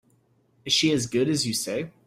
Is she as good as you say?